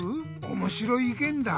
おもしろいいけんだ！